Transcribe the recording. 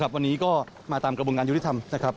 วันนี้ก็มาตามกระบวนการยุติธรรมนะครับ